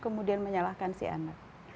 kemudian menyalahkan si anak